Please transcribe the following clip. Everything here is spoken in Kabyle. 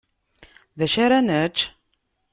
D acu ara nečč?